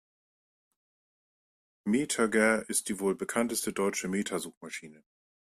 MetaGer ist die wohl bekannteste deutsche Meta-Suchmaschine.